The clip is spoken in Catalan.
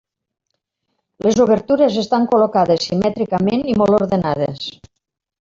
Les obertures estan col·locades simètricament i molt ordenades.